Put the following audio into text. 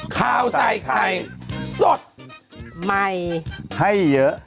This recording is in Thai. ข้าวใส่ไข่สดใหม่ให้เยอะ